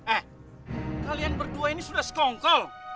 eh kalian berdua ini sudah sekongkol